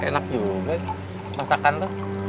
enak juga masakan lo